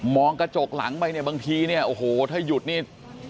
มองกระจกหลังไปบางทีถ้าหยุดนี่